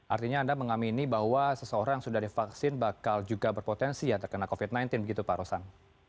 artinya anda mengamini bahwa seseorang sudah divaksin bakal juga berpotensi ya terkena covid sembilan belas begitu pak rosan